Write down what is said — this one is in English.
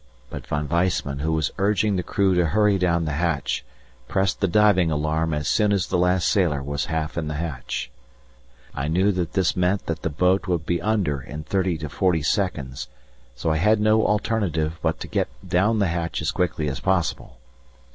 But Von Weissman, who was urging the crew to hurry down the hatch, pressed the diving alarm as soon as the last sailor was half in the hatch. I knew that this meant that the boat would be under in 30 to 40 seconds, so I had no alternative but to get down the hatch as quickly as possible.